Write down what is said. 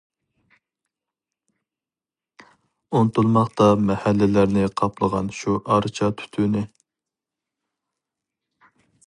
ئۇنتۇلماقتا مەھەللىلەرنى قاپلىغان شۇ ئارچا تۈتۈنى.